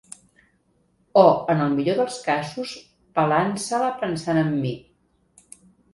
O en el millor dels casos pelant-se-la pensant en mi.